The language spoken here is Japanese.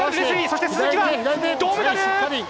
そして鈴木は銅メダル。